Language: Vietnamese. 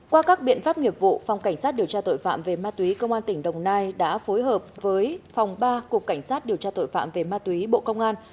qua các biện pháp nghiệp vụ phòng cảnh sát điều tra tội phạm về ma túy công an tỉnh đồng nai đã phối hợp với phòng ba cục cảnh sát điều tra tội phạm về ma túy bộ công an